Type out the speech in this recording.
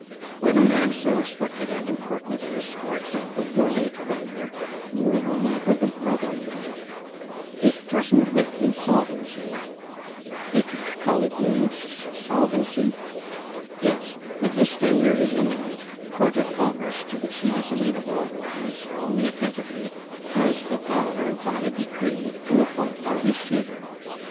"When a man so respected and important as, for example, your late brother " "M my b b brother, yes." " is threatened with insolvency " "They c c call it in ins s solvency?" "Yes; when his failure is imminent, the court of commerce, to which he is amenable (please follow me attentively), has the power, by a decree, to appoint a receiver.